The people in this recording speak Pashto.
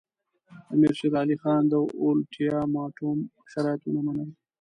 امیر شېر علي خان د اولټیماټوم شرایط ونه منل.